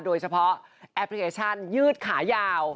โดยเฉพาะแอปพลิเคชันยืดขายาว